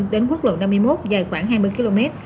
đến quốc lộ năm mươi một dài khoảng hai mươi km